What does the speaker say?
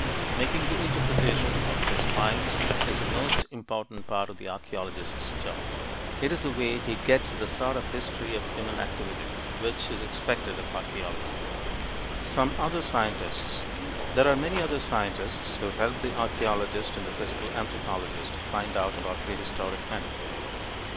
Making the interpretation of his finds is the most important part of the archeologist's job. It is the way he gets at the "sort of history of human activity" which is expected of archeology. SOME OTHER SCIENTISTS There are many other scientists who help the archeologist and the physical anthropologist find out about prehistoric men.